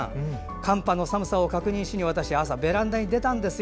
寒波の寒さを確認しに朝、ベランダに出たんですよ。